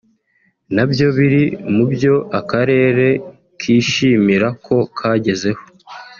nabyo biri mu byo Akarere kishimira ko kagezeho